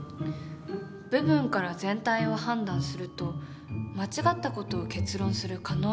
部分から全体を判断すると間違った事を結論する可能性がある。